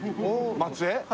松江？